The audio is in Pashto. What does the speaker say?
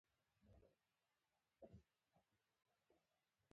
مېز د برقي وسایلو ساتلو ځای دی.